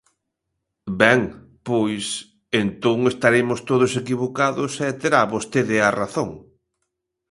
Ben, pois, entón, estaremos todos equivocados e terá vostede a razón.